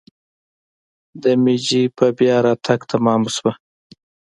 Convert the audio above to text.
د میجي په بیا راتګ تمامه شوه.